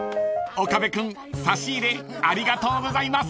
［岡部君差し入れありがとうございます］